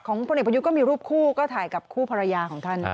พลเอกประยุทธ์ก็มีรูปคู่ก็ถ่ายกับคู่ภรรยาของท่าน